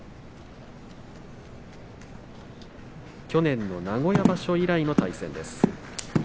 去年の名古屋場所以来の対戦です。